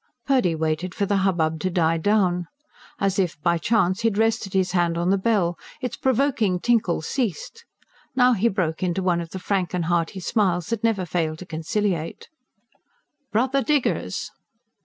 Purdy waited for the hubbub to die down. As if by chance he had rested his hand on the bell; its provoking tinkle ceased. Now he broke into one of the frank and hearty smiles that never fail to conciliate. "Brother diggers!"